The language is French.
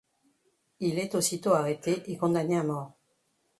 Il est aussitôt arrêté et condamné à mort.